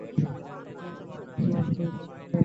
আমাদের গ্রামে এখন আর কেউ চাষ করে না।